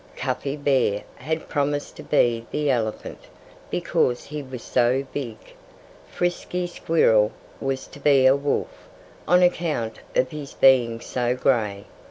Cuffy Bear had promised to be the elephant, because he was so big. Frisky Squirrel was to be a wolf, on account of his being so gray.